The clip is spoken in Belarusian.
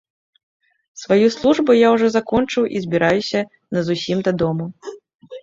Сваю службу я ўжо закончыў і збіраюся назусім дадому.